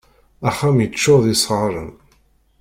Axxam yeččur d isɣaren.